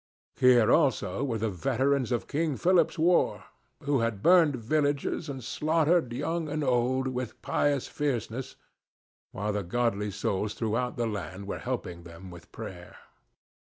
Here, also, were the veterans of King Philip's war, who had burned villages and slaughtered young and old with pious fierceness while the godly souls throughout the land were helping them with prayer.